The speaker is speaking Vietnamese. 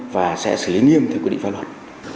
và sẽ xử lý nghiêm theo quy định pháp luật